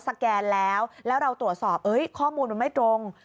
แกนแล้วแล้วเราตรวจสอบข้อมูลมันไม่ตรง